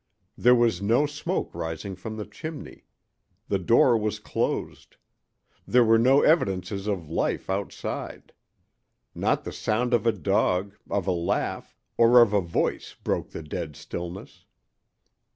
There was no smoke rising from the chimney. The door was closed. There were no evidences of life outside. Not the sound of a dog, of a laugh, or of a voice broke the dead stillness.